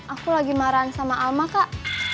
aku lagi marahan sama alma kak